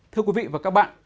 thưa quý vị và các bạn